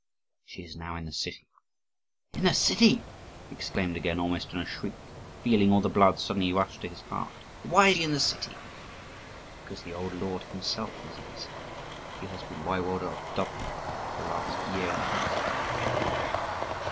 "She is now in the city." "In the city!" he exclaimed, again almost in a shriek, and feeling all the blood suddenly rush to his heart. "Why is she in the city?" "Because the old lord himself is in the city: he has been Waiwode of Dubno for the last year and a half."